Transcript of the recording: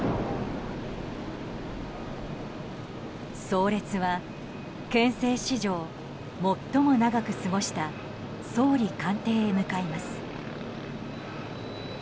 葬列は憲政史上最も長く過ごした総理官邸へ向かいます。